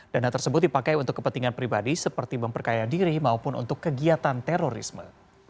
dana tersebut dipakai untuk kepentingan pribadi seperti memperkaya diri maupun untuk kegiatan terorisme